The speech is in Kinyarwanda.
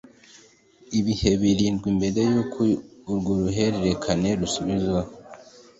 ibihe birindwi mbere y uko urwo ruhererekane rusubizwaho